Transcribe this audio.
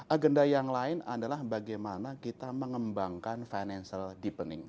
agenda yang lain adalah bagaimana kita mengembangkan financial deepening